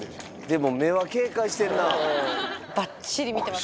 でも目は警戒してんな。